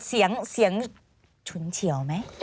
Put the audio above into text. เสียงเสียงฉุนเฉียวไหม